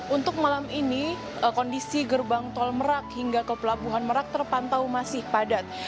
untuk malam ini kondisi gerbang tol merak hingga ke pelabuhan merak terpantau masih padat